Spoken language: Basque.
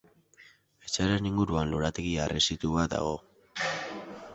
Etxearen inguruan lorategi harresitu bat dago.